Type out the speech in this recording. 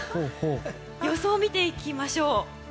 予想を見ていきましょう。